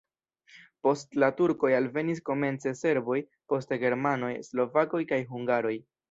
Post la turkoj alvenis komence serboj, poste germanoj, slovakoj kaj hungaroj.